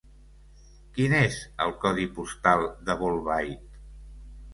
Quin és el codi postal de Bolbait?